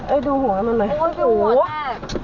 เอ้ยดูหัวเรานั่นไหนโอ้วิวนี่หัวแดก